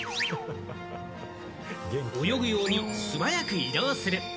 泳ぐように素早く移動する。